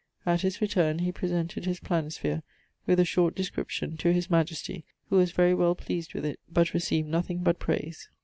At his returne, he presented his Planisphere, with a short description, to his majesty who was very well pleased with it; but received nothing but prayse.